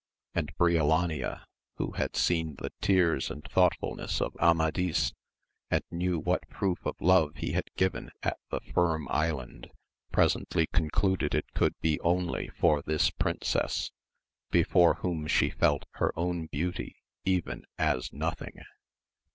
And Brio lania, who had seen the tears and thoughtfubiess of Amadis, and knew what proof of love he had given at the Firm Island, presently concluded it could be only for this princess, before whom she felt her own beauty even as nothing.